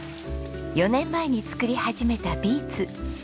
４年前に作り始めたビーツ。